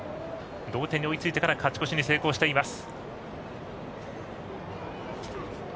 同点に追いついてから勝ち越しに成功しています。